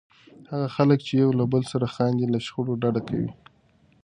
هغه خلک چې له یو بل سره خاندي، له شخړو ډډه کوي.